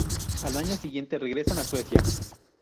Al año siguiente regresan a Suecia.